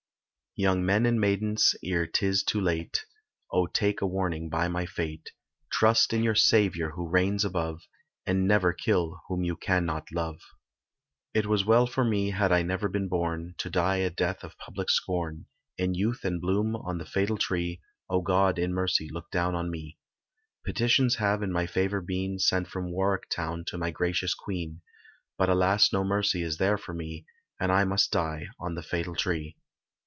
Young men and maidens ere 'tis too late, Oh take a warning by my fate, Trust in your Saviour who reigns above, And never kill whom you cannot love. It was well for me had I never been born, To die a death of public scorn, In youth and bloom on the fatal tree, Oh God in mercy look down on me. Petitions have in my favour been Sent from Warwick town to my gracious Queen, But alas no mercy is there for me, And I must die on the fatal tree.